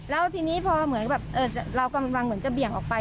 แล้วทีนี้พอเหมือนแบบเรากำลังเหมือนจะเบี่ยงออกไป